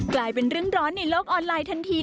กลายเป็นเรื่องร้อนในโลกออนไลน์ทันที